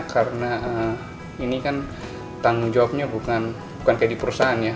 karena ini kan tanggung jawabnya bukan kayak di perusahaan ya